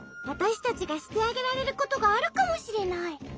わたしたちがしてあげられることがあるかもしれない。